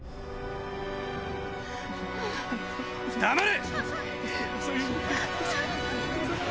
黙れ！